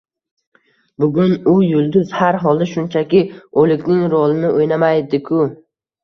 Bugun u yulduz, har holda, shunchaki oʻlikning rolini oʻynamaydi-ku.